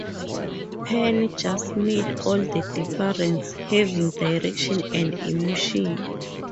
Pann just made all the difference, having direction and emotion.